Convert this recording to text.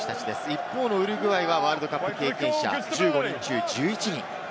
一方、ウルグアイはワールドカップ経験者１５人中１１人。